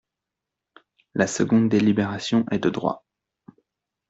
La seconde délibération est de droit.